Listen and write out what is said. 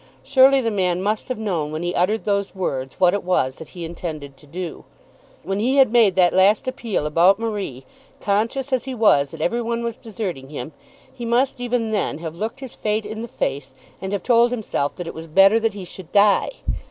Surely the man must have known when he uttered those words what it was that he intended to do! When he had made that last appeal about Marie, conscious as he was that everyone was deserting him, he must even then have looked his fate in the face and have told himself that it was better that he should die!